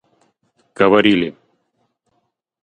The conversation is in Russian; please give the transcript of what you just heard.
говорили